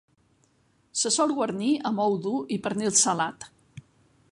Se sol guarnir amb ou dur i pernil salat.